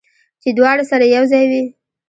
چې دواړه سره یو ځای وي